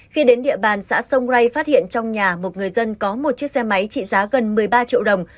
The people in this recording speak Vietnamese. khi đến địa bàn xã sông rai phát hiện trong nhà một người dân có một chiếc xe máy trị giá gần một mươi ba triệu đồng